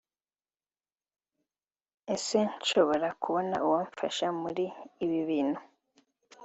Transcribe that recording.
ese nshobora kubona uwamfasha muri ibi bintu